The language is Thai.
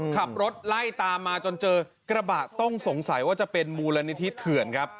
ขับรถไล่ตามมาจนเจอกระบะต้องสงสัยว่าจะเป็นมูลนิธิเถื่อนครับ